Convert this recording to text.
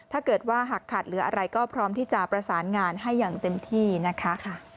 ถ้าเกิดว่าหักขัดเหลืออะไรก็พร้อมที่จะประสานงานให้อย่างเต็มที่นะคะ